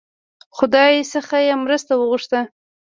خدای څخه یې مرسته وغوښته.